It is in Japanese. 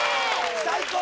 最高！